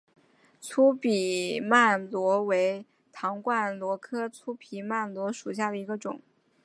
粗皮鬘螺为唐冠螺科粗皮鬘螺属下的一个种。